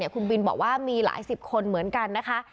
คุณบินบอกว่ามีหลายสิบคนเหมือนกันนะคะ